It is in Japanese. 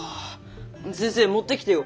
先生持ってきてよ！